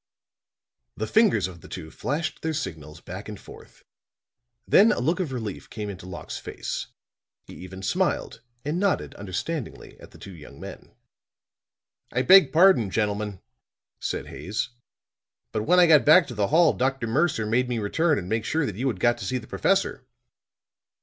The fingers of the two flashed their signals back and forth; then a look of relief came into Locke's face; he even smiled, and nodded understandingly at the two young men. "I beg pardon, gentlemen," said Haines. "But when I got back to the hall, Dr. Mercer made me return and make sure that you had got to see the Professor."